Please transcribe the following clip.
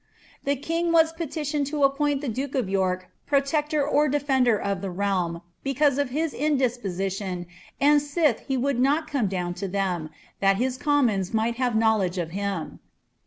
''^ The king was petitioned to appoint the duke of York protector or defender of the realm, ^ because of his indisposition, and tilh he would not come down to them, that his commons might have knowledge of bim.